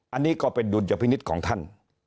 อันนี้ก็เป็นดุลยพินิษฐ์ของท่าน